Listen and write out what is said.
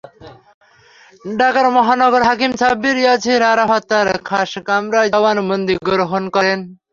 ঢাকার মহানগর হাকিম সাব্বির ইয়াছির আরাফাত তাঁর খাসকামরায় জবানবন্দি গ্রহণ করেন।